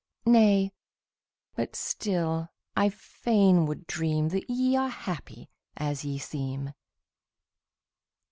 Nay but still I fain would dream That ye are happy as ye seem.